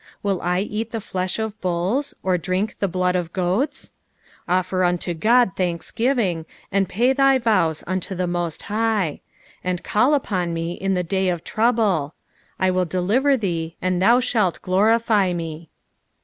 13 Will I eat the flesh of bulls, or drink the blood of goats ? 14 Offer unto God thanksgiving ; and pay thy vows unto the most High : 1 5 And call upon me in the day of trouble : I will deliver thee, and thou shatt glorify me.